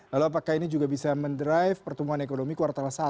lalu apakah ini juga bisa mendrive pertumbuhan ekonomi kuartal satu